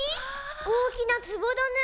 おおきなつぼだね。